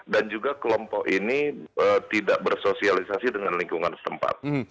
dan juga kelompok ini tidak bersosialisasi dengan lingkungan setempat